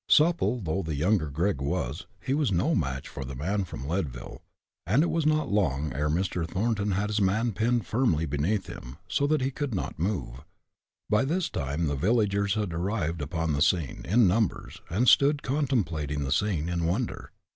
Supple though the younger Gregg was, he was no match for the man from Leadville, and it was not long ere Mr. Thornton had his man pinned firmly beneath him, so that he could not move. By this time the villagers had arrived upon the scene, in numbers, and stood contemplating the scene, in wonder.